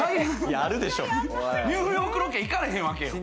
ニューヨークロケ、行かれへんわけよ。